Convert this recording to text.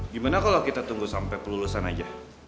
gimana kalau kita tunggu sampai pelulusan aja